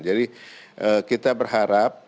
jadi kita berharap